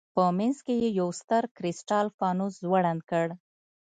په منځ کې یې یو ستر کرسټال فانوس ځوړند کړ.